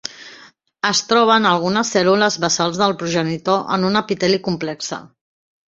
Es troba en algunes cèl·lules basals del progenitor en un epiteli complexe.